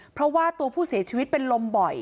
เพราะว่าตัวผู้เสียชีวิตเป็นลมบ่อย